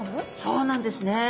そうなんですね。